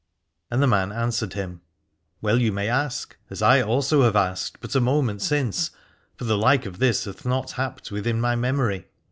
And the man an swered him : Well may you ask, as I also have asked but a moment since, for the like of this hath not happed within my memory.